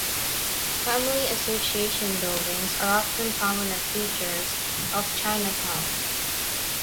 Family association buildings are often prominent features of Chinatowns.